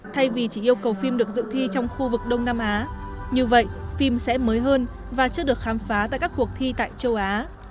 thay vì chỉ yêu cầu phim được dự thi trong khu vực đông nam á như vậy phim sẽ mới hơn và chưa được khám phá tại các cuộc thi tại châu á